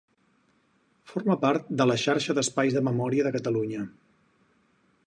Forma part de la Xarxa d'Espais de Memòria de Catalunya.